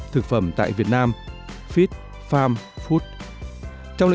thực phẩm tại việt nam fit farm food